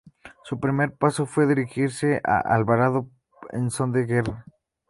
Su primer paso fue dirigirse a Alvarado en son de guerra.